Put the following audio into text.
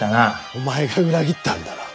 お前が裏切ったんだろ。